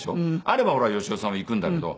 あれば芳雄さんは行くんだけど。